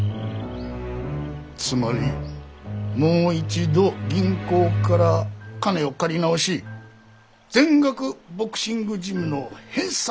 つまりもう一度銀行から金を借り直し全額ボクシングジムの返済に充てる。